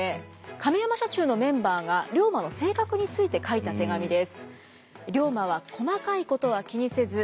亀山社中のメンバーが龍馬の性格について書いた手紙です。